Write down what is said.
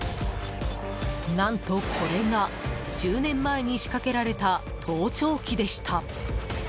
何と、これが１０年前に仕掛けられた盗聴器でした。